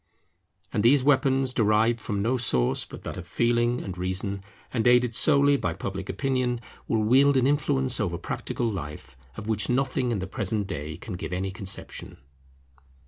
And these weapons, derived from no source but that of Feeling and Reason, and aided solely by Public Opinion, will wield an influence over practical life, of which nothing in the present day can give any conception.